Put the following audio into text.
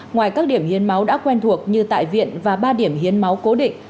ngoài các điểm hiến máu đã quen thuộc như tại viện và ba điểm hiến máu cố định